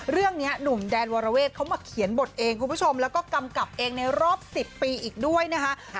เรื่องนี้หนุ่มแดนวรเวทเขามาเขียนบทเองคุณผู้ชมแล้วก็กำกับเองในรอบ๑๐ปีอีกด้วยนะคะ